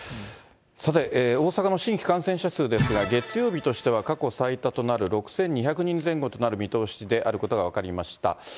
さて、大阪の新規感染者数ですが、月曜日としては過去最多となる６２００人前後となる見通しであることが分かりました。